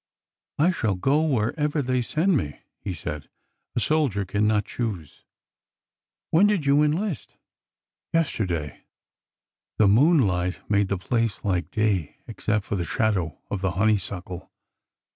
^' I shall go wherever they send me,'^ he said ; a sol dier cannot choose." '' When did you enlist? " Yesterday." The moonlight made the place like day, except for the shadow of the honeysuckle.